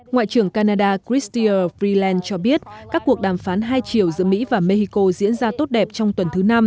ngoại trưởng canada christir freeland cho biết các cuộc đàm phán hai triệu giữa mỹ và mexico diễn ra tốt đẹp trong tuần thứ năm